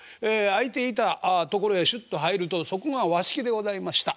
空いていたところへシュッと入るとそこが和式でございました。